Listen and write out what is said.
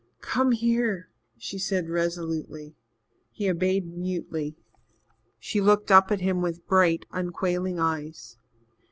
"Come here," she said resolutely. He obeyed mutely. She looked up at him with bright, unquailing eyes.